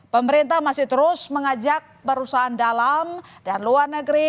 pemerintah masih terus mengajak perusahaan dalam dan luar negeri